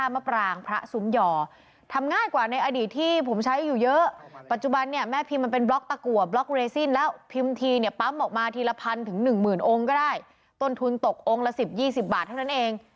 หนึ่งมือนเอางก็ได้ต้นทุนตกองละ๑๐๒๐บาทแท้นั้นเอง